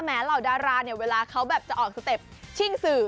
เหล่าดาราเนี่ยเวลาเขาแบบจะออกสเต็ปชิ่งสื่อ